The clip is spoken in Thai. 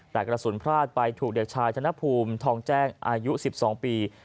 แต่กระสุนพลาดไปถูกเด็กชายธนภูมิทองแจ้งอายุ๑๒ปี